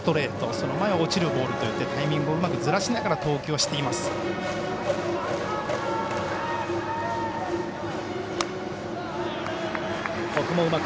その前は落ちるボールでタイミングをうまくずらしながら投球をしています。